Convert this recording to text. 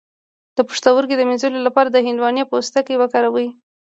د پښتورګو د مینځلو لپاره د هندواڼې پوستکی وکاروئ